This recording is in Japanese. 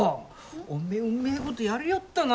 おめえうめえことやりよったな。